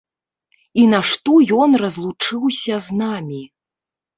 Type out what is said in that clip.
І нашто ён разлучыўся з намі?